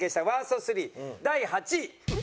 第８位。